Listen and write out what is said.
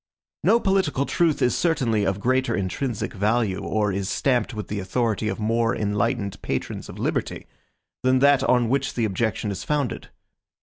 No political truth is certainly of greater intrinsic value, or is stamped with the authority of more enlightened patrons of liberty, than that on which the objection is founded.